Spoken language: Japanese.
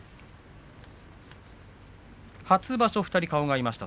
初場所２人顔が合いました